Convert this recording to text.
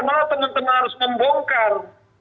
malah teman teman harus membongkar